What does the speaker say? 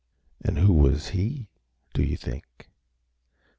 And who was he, do you think?